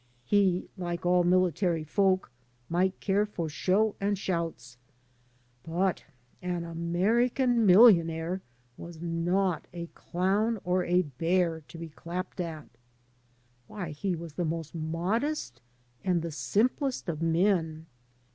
He, like all military folk, might care for show and shouts. But an American millionaire was not a clown or a bear to be clapped at. Why, he was the most modest and the simplest of men.